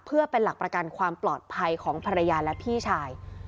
เพื่อเป็นหลักประกันความปลอดภัยของภรรยาและพี่ชาย